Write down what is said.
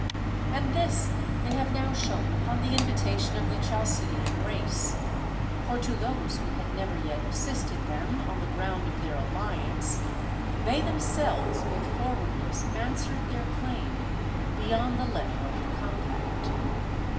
And this they have now shown upon the invitation of the Chalcidian race ; for to those who had never yet assisted them on the ground of their alliance, they themselves with forward ness answered their claim, beyond the letter of the compact.